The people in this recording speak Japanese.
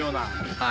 はい。